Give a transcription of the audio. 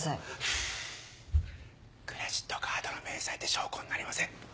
クレジットカードの明細って証拠になりません？